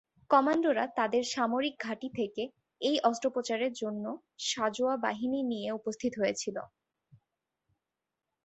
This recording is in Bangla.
কমান্ডোরা তাদের সামরিক ঘাঁটি থেকে এই অস্ত্রোপচারের জন্য সাঁজোয়া বাহিনী নিয়ে উপস্থিত হয়েছিল।